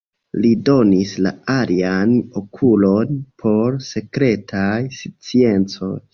Li donis la alian okulon por sekretaj sciencoj.